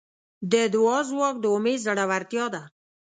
د دعا ځواک د امید زړورتیا ده.